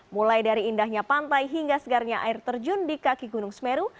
mulai dari indahnya pantai hingga segarnya air terjun di kaki gunung semeru